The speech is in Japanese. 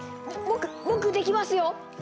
僕僕できますよ！